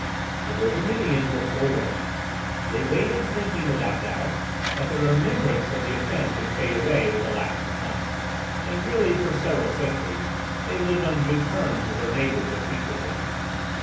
The Virgamenians were forewarned. They waited thinking, without doubt, that the remembrance of the offence would fade away with the lapse of time; and really, for several centuries, they lived on good terms with their neighbours of Quiquendone.